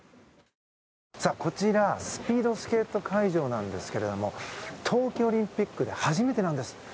こちらスピードスケート会場なんですが冬季オリンピックで初めてなんです。